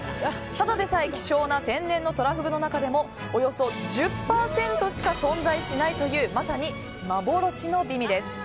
ただでさえ希少な天然のとらふぐの中でもおよそ１０％しか存在しないというまさに幻の美味です。